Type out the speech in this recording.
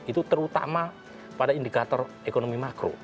itu terutama pada indikator ekonomi makro